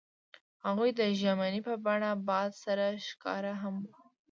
هغوی د ژمنې په بڼه باد سره ښکاره هم کړه.